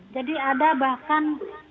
jadi ada bahkan